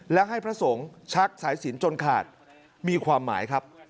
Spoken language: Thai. และให้พระสงฆ์ชักสายสินจนขาดมีความหมายครับ